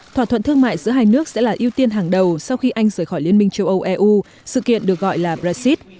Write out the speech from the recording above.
thỏa thuận thương mại giữa hai nước sẽ là ưu tiên hàng đầu sau khi anh rời khỏi liên minh châu âu eu sự kiện được gọi là brexit